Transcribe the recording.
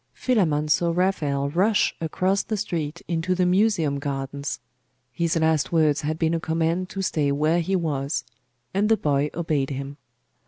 Philammon saw Raphael rush across the street into the Museum gardens. His last words had been a command to stay where he was; and the boy obeyed him.